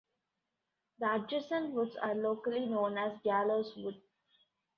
The adjacent woods are locally known as Gallows Wood.